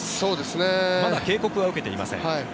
まだ警告は受けていません。